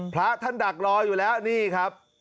พระท่านดักรออยู่แล้วนี่ครับ